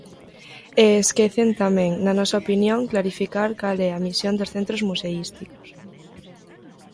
E esquecen tamén, na nosa opinión, clarificar cal é a misión dos centros museísticos.